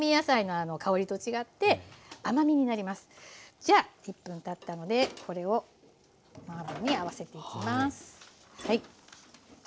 じゃあ１分たったのでこれをマーボーに合わせていきます。